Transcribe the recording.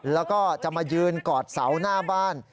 แล้วก็จะมายืนกอดเสาหน้าบ้าน